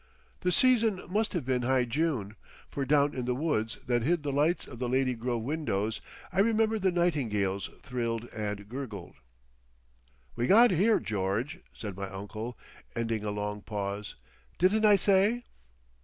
The season must have been high June, for down in the woods that hid the lights of the Lady Grove windows, I remember the nightingales thrilled and gurgled.... "We got here, George," said my uncle, ending a long pause. "Didn't I say?"